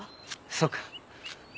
そうか。